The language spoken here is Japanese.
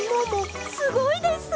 すごいです！